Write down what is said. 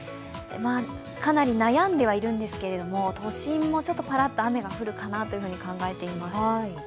かなり悩んではいるんですけれども、都心もちょっとパラッと雨が降るかなと考えています。